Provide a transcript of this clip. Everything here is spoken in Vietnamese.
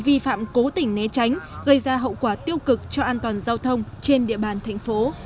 vi phạm cố tình né tránh gây ra hậu quả tiêu cực cho an toàn giao thông trên địa bàn thành phố